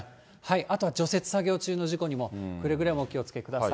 あとは除雪作業中の事故にもくれぐれもお気をつけください。